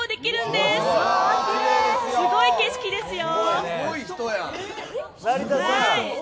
すごい景色ですよ。